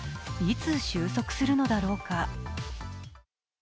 いつ収束するのだろうか。